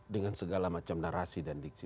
dengan segala macam narasi dan diksi